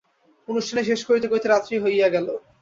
অনুষ্ঠান শেষ করিতে রাত্রি হইয়া গেল।